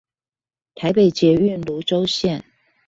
臺北捷運蘆洲線